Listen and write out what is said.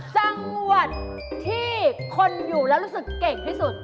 จังหวัดที่คนอยู่แล้วรู้สึกเก่งที่สุด